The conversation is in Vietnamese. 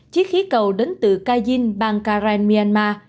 chiếc khí cầu đến từ kajin bang karen myanmar